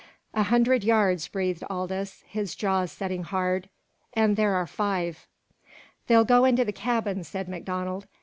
"A hundred yards," breathed Aldous, his jaws setting hard. "And there are five!" "They'll go into the cabins," said MacDonald.